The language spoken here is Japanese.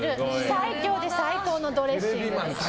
最強で最高のドレッシングです。